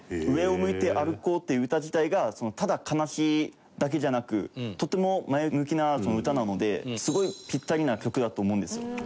『上を向いて歩こう』っていう歌自体がただ悲しいだけじゃなくとても前向きな歌なのですごいピッタリな曲だと思うんですよ。